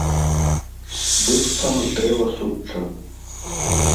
Быццам з дрэва сучча.